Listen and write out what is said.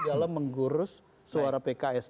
dalam menggurus suara pks